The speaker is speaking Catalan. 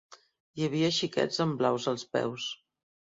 Hi havia xiquets amb blaus als peus.